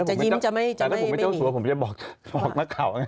แต่จะยิมจะไม่มีผมไม่เจ้าสัวผมไม่จะบอกนักข่าว